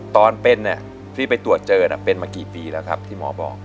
ตอนเป็นที่ไปตรวจเจอเป็นมากี่ปีแล้วครับที่หมอบอก